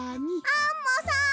アンモさん！